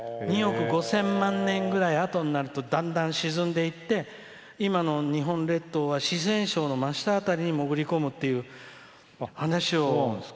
２億５０００万年ぐらいあとになるとだんだん沈んでいって今の日本列島は四川省の増した辺りに潜り込むっていうお話を。